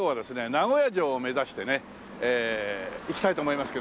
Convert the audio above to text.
名古屋城を目指してねいきたいと思いますけど。